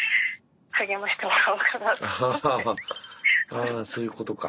あそういうことか。